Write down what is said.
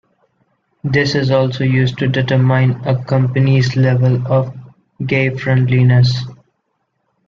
This is also used to determine a company's level of gay-friendliness.